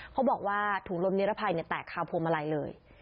เขาบอกว่าถุงลมนิรภัยแตกคาวพวงมาลัยเลย